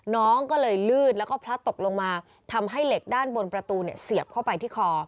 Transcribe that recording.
น้องก็เลยลื่นแล้วก็พลัดตกลงมาทำให้เหล็กด้านบนประตูเนี่ยเสียบเข้าไปที่คอ